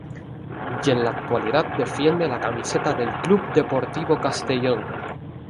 Y en la actualidad defiende la camiseta del Club Deportivo Castellón